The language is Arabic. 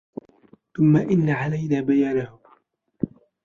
ثُمَّ إِنَّ عَلَيْنَا بَيَانَهُ